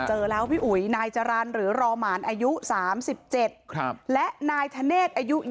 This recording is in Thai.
เจอแล้วพี่อุ๋ยนายจรรย์หรือรอหมานอายุ๓๗และนายธเนธอายุ๒๒